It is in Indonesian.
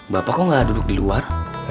bapak kok gak duduk di luar